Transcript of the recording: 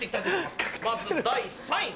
まず第３位！